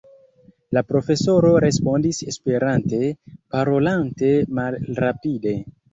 La profesoro respondis Esperante, parolante malrapide: